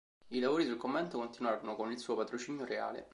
I lavori sul convento continuarono con il suo patrocinio reale.